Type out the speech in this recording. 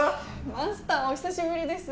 マスターお久しぶりです。